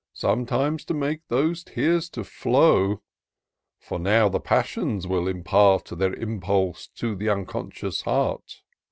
Sometimes to make those tears to flow. For now the Passions will impart Their impidse to th' unconscious heart.